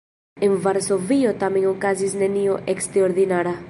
En Varsovio tamen okazis nenio eksterordinara.